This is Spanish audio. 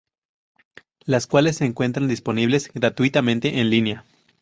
Las cuales se encuentran disponibles gratuitamente en línea.